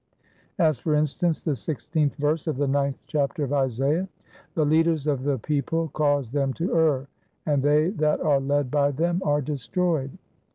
As for instance, the sixteenth verse of the ninth chapter of Isaiah: The leaders of the people cause them to err, and they that are led by them are destroyed.